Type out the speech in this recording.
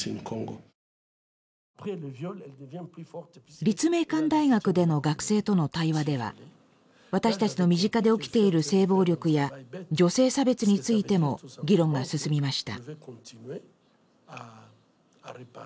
立命館大学での学生との対話では私たちの身近で起きている性暴力や女性差別についても議論が進みました。